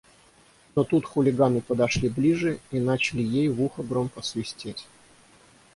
Но тут хулиганы подошли ближе и начали ей в ухо громко свистеть.